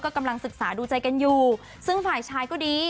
กำลังศึกษาดูใจกันอยู่ซึ่งฝ่ายชายก็ดี